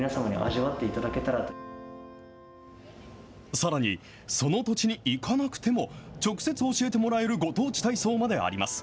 さらに、その土地に行かなくても、直接教えてもらえるご当地体操まであります。